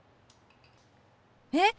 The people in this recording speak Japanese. えっ！